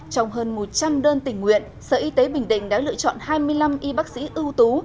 trong hơn một trăm linh đơn tình nguyện sở y tế bình định đã lựa chọn hai mươi năm y bác sĩ ưu tú